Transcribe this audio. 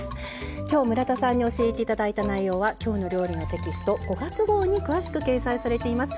今日村田さんに教えていただいた内容は「きょうの料理」のテキスト５月号に詳しく掲載されています。